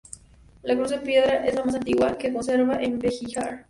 La Cruz de Piedra es la más antigua que se conserva en Begíjar.